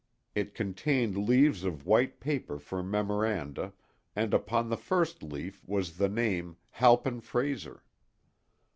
It contained leaves of white paper for memoranda, and upon the first leaf was the name "Halpin Frayser."